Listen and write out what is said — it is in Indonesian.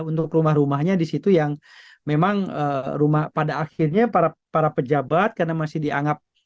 untuk rumah rumahnya disitu yang memang rumah pada akhirnya para pejabat karena masih dianggap